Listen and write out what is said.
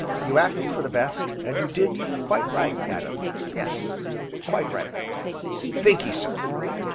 You acted for the best, and you did quite right, Adam, yes, quite right" "Thankee sir!"